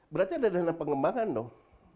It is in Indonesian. berarti ada dana pengembangan dong